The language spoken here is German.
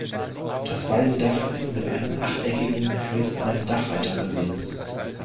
Das Walmdach ist mit einem achteckigen hölzernen Dachreiter versehen.